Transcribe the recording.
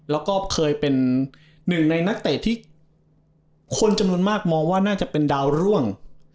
แล้วก็เคยเป็นหนึ่งในนักเตะที่คนจำนวนมากมองว่าน่าจะเป็นดาวร่วง